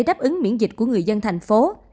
đáp ứng miễn dịch của người dân thành phố